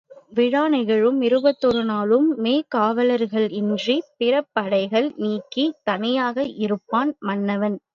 விழா நிகழும் இருபத்தொரு நாளும் மெய்காவலர்களன்றிப் பிறபடைகளை நீக்கித் தனியனாக இருப்பான் மன்னவன்.